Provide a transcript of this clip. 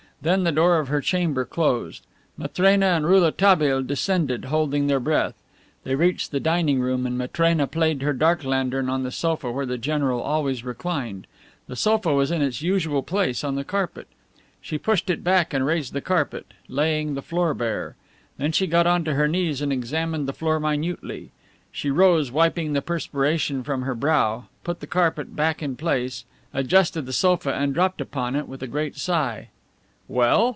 Then the door of her chamber closed. Matrena and Rouletabille descended, holding their breath. They reached the dining room and Matrena played her dark lantern on the sofa where the general always reclined. The sofa was in its usual place on the carpet. She pushed it back and raised the carpet, laying the floor bare. Then she got onto her knees and examined the floor minutely. She rose, wiping the perspiration from her brow, put the carpet hack in place, adjusted the sofa and dropped upon it with a great sigh. "Well?"